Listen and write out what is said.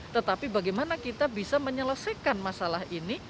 tetapi bagaimana kita bisa menyelesaikan masalah ini